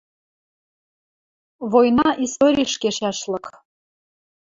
Война историш кешӓшлык.